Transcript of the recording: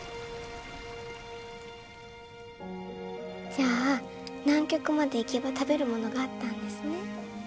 じゃあ南極まで行けば食べるものがあったんですね。